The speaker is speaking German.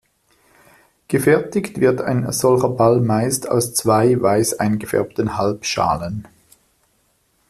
Gefertigt wird ein solcher Ball meist aus zwei weiß eingefärbten Halbschalen.